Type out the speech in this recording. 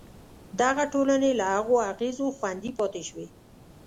دغه ټولنې له هغو اغېزو خوندي پاتې شوې.